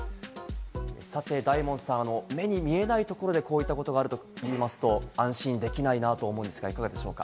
大門さん、目に見えないところでこういったことがあるといいますと、安心できないなと思うんです